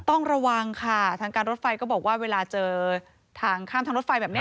ต้องระวังค่ะทางการรถไฟก็บอกว่าเวลาเจอทางข้ามทางรถไฟแบบนี้